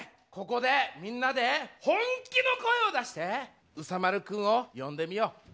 ここでみんなで本気の声を出してうさ丸くんを呼んでみよう。